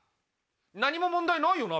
何も問題ないよな？